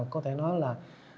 có thể nói là